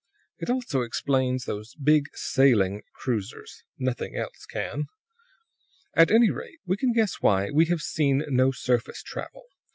It also explains those big sailing cruisers; nothing else can. "At any rate, we can guess why we have seen no surface travel.